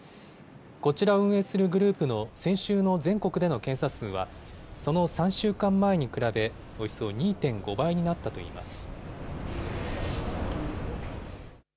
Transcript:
こちらを運営するグループの先週の全国での検査数は、その３週間前に比べ、およそ２．５倍になったといいます。